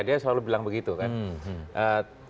dia selalu bilang begitu kan